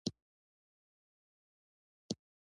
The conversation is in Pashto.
د مڼې خوند تازهګۍ لري.